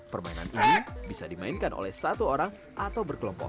permainan ini bisa dimainkan oleh satu orang atau berkelompok